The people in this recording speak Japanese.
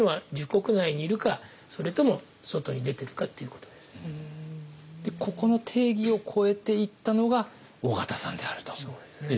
一番大きいのはここの定義を超えていったのが緒方さんであるということですね。